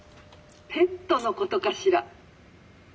「ペットのことかしら？